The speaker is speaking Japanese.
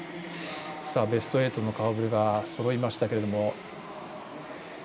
ベスト８の顔ぶれがそろいましたけれども。